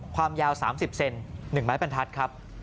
ความยาวสามสิบเซนหนึ่งไม้ปันทัดครับ